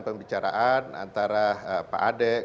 pembicaraan antara pak adek